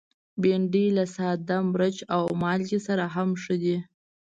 بېنډۍ له ساده مرچ او مالګه سره هم ښه ده